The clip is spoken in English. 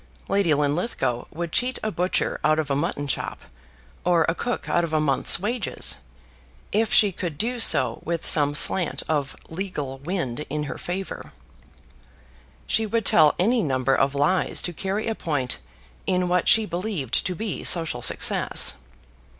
Lady Linlithgow would cheat a butcher out of a mutton chop, or a cook out of a month's wages, if she could do so with some slant of legal wind in her favour. She would tell any number of lies to carry a point in what she believed to be social success.